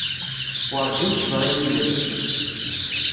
Werǧin teẓri ilel.